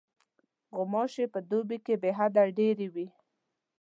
غوماشې په دوبي کې بېحده ډېرې وي.